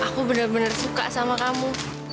aku bener bener suka sama kamu